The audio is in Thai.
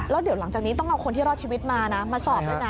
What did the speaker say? แล้วเดี๋ยวหลังจากนี้ต้องเอาคนที่รอดชีวิตมานะมาสอบด้วยนะ